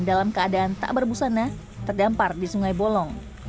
dalam keadaan tak berbusana terdampar di sungai bolong